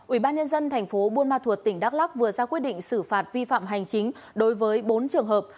ủy ban nhân dân tp buôn ma thuật tỉnh đắk lắc vừa ra quyết định xử phạt vi phạm hành chính đối với bốn trường hợp